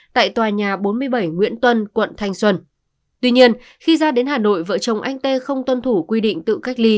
tại tòa nhà bốn mươi bảy nguyễn tuân quận thanh xuân tuy nhiên khi ra đến hà nội vợ chồng anh tê không tuân thủ quy định tự cách ly